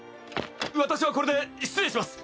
私はこれで失礼します。